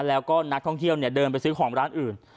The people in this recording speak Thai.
แล้วก็นักท่องเที่ยวเดินไปซื้อของร้านอื่น